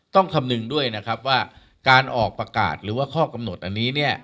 ต้องคำนึงด้วยว่าการออกประกาศหรือว่าข้อกำหนดอันนี้